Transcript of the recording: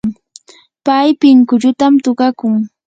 pay pinkullutam tukakun.